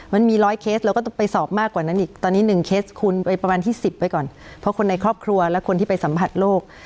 มันมีร้อยเคสเราก็ต้องไปสอบมากกว่านั้นอีกตอนนี้หนึ่งเคสคุณไปประมาณที่สิบไปก่อนเพราะคนในครอบครัวและคนที่ไปสัมผัสโรค